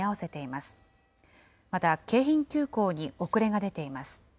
また京浜急行に遅れが出ています。